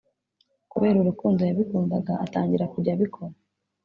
kubera urukundo yabikundaga atangira kujya abikora